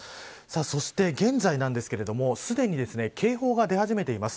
そして、現在ですがすでに警報が出始めています。